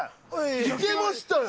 いけましたよ！